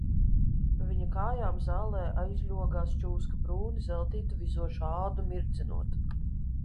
Pie viņa kājām zālē aizļogās čūska brūni zeltītu, vizošu ādu mirdzinot.